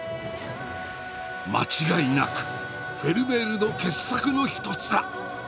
「間違いなくフェルメールの傑作の一つだ」。